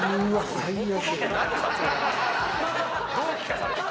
最悪。